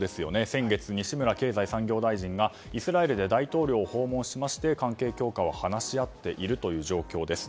先月、西村経済産業大臣はイスラエルで大統領訪問をしまして関係強化は話し合っている状況です。